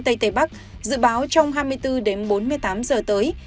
tây tây bắc dự báo trong hai mươi bốn đến bốn mươi tám giờ tới